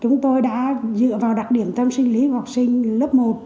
chúng tôi đã dựa vào đặc điểm tâm sinh lý của học sinh lớp một